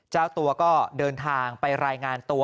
เจ้าตัวก็เดินทางไปรายงานตัว